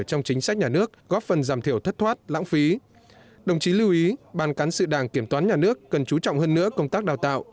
trong chính sách nhà nước góp phần giảm thiểu thất thoát lãng phí đồng chí lưu ý ban cán sự đảng kiểm toán nhà nước cần chú trọng hơn nữa công tác đào tạo